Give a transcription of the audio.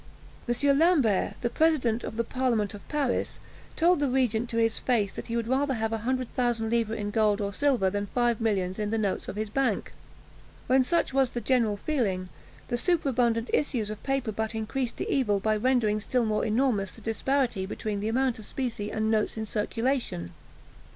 M. Lambert, the president of the parliament of Paris, told the regent to his face that he would rather have a hundred thousand livres in gold or silver than five millions in the notes of his bank. When such was the general feeling, the superabundant issues of paper but increased the evil, by rendering still more enormous the disparity between the amount of specie and notes in circulation.